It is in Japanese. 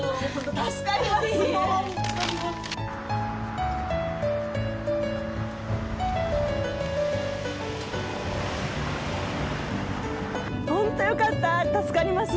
助かります。